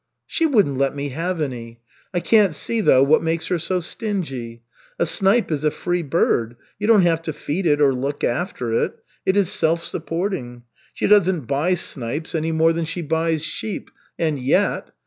"She wouldn't let me have any. I can't see, though, what makes her so stingy. A snipe is a free bird. You don't have to feed it or look after it. It is self supporting. She doesn't buy snipes any more than she buys sheep and yet!